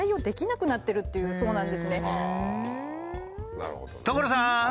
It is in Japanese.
なるほどね。